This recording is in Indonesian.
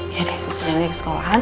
ya deh susulin aja ke sekolahan